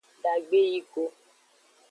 Dagbe yi go.